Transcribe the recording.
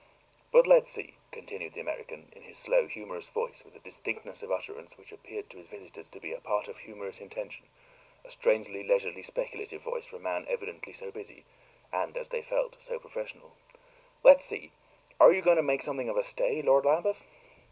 But let's see," continued the American, in his slow, humorous voice, with a distinctness of utterance which appeared to his visitors to be part of a humorous intention a strangely leisurely, speculative voice for a man evidently so busy and, as they felt, so professional "let's see; are you going to make something of a stay, Lord Lambeth?"